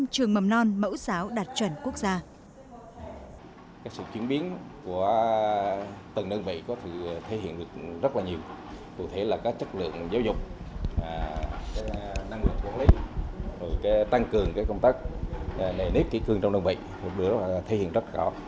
một mươi trường mầm non mẫu giáo đạt chuẩn quốc gia